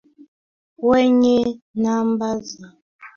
wenye namba za mraba elfu thelathini na moja